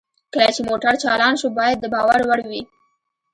کله چې موټر چالان شو باید د باور وړ وي